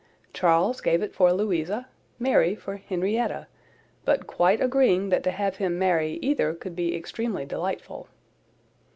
Charles gave it for Louisa, Mary for Henrietta, but quite agreeing that to have him marry either could be extremely delightful.